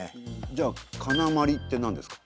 じゃあ鋺って何ですか？